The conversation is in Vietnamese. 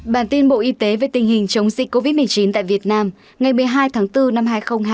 bản tin bộ y tế về tình hình chống dịch covid một mươi chín tại việt nam ngày một mươi hai tháng bốn năm hai nghìn hai mươi